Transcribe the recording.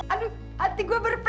aduh hati gua berplaur plaur